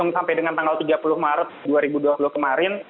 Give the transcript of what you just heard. sampai dengan tanggal tiga puluh maret dua ribu dua puluh kemarin